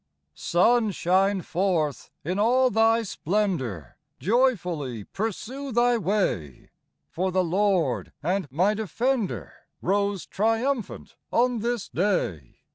Sun, shine forth in all thy splendor, Joyfully pursue thy way, For thy Lord and my Defender Rose triumphant on this day.